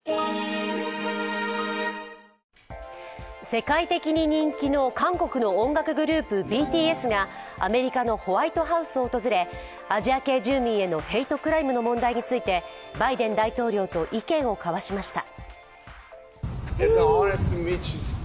世界的に人気の韓国の音楽グループ、ＢＴＳがアメリカのホワイトハウスを訪れ、アジア系住民へのヘイトクライムの問題について、バイデン大統領と意見を交わしました。